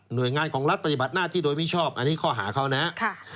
โดยงานของรัฐปฏิบัติหน้าที่โดยมิชอบอันนี้ข้อหาเขานะครับ